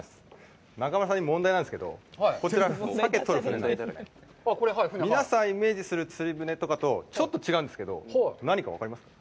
中丸さんに問題なんですけど、こちら、鮭を取る船、皆さんイメージする釣り船とかとちょっと違うんですけど、何か分かりますか？